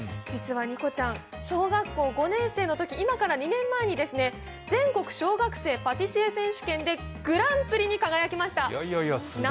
実は仁子ちゃん小学校５年生のとき今から２年前に全国小学生パティシエ選手権でグランプリに輝きました。